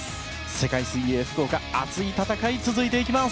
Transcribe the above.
世界水泳福岡熱い戦い続いていきます。